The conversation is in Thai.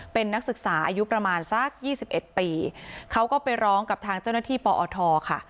เป็นนักศึกษาอายุประมาณสักยี่สิบเอ็ดปีเขาก็ไปร้องกับทางเจ้าหน้าที่ปอทค่ะ